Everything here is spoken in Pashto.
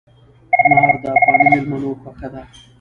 انار د افغاني مېلمنو خوښه ده.